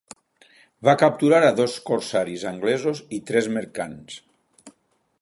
Va capturar a dos corsaris anglesos i tres mercants.